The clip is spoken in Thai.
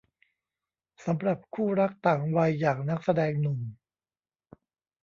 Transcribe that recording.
สำหรับคู่รักต่างวัยอย่างนักแสดงหนุ่ม